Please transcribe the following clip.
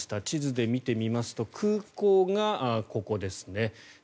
地図で見てみますと空港がここですね。